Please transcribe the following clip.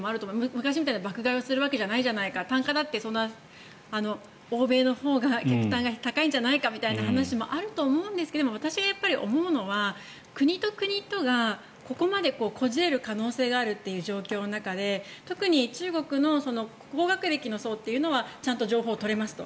昔みたいな爆買いをするわけじゃないじゃないか単価だってそんなに欧米のほうが客単価が高いんじゃないかという話があると思うんですけども私が思うのは国と国とが、ここまでこじれる可能性があるという状況の中で特に中国の高学歴の層というのはちゃんと情報を取れますと。